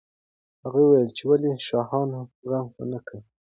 هغوی وویل چې ولې شاهانو غم ونه کړ.